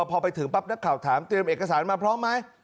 พอไปถึงปั๊บนักข่าวถามเตรียมเอกสารมาพร้อมไหม